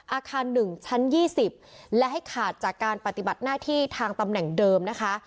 อาคาร๑ชั้น๒๐และให้ขาดจากการปฏิบัติหน้าที่ทางตำแหน่งเดิมนะคะ